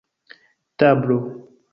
tablo